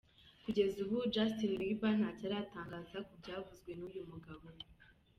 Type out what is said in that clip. Kugeza ubu Justin Bieber ntacyo aratangaza ku byavuzwe n’uyu mugabo.